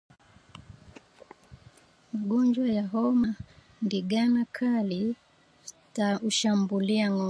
Magonjwa ya homa ya mapafu na ndigana kali hushambulia ngombe